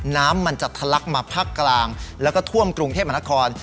น้ำมันจะทะลักมาภาคกลางแล้วก็ท่วมกรุงเทพมนาคม